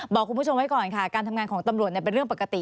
บอกคุณผู้ชมไว้ก่อนค่ะการทำงานของตำรวจเป็นเรื่องปกติ